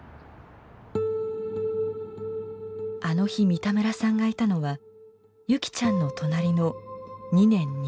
あの日三田村さんがいたのは優希ちゃんの隣の２年西組。